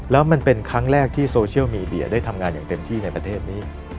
แล้วมันเป็นครั้งแรกที่โซเชียลมีเดียได้ทำงานอย่างเต็มที่ในประเทศนี้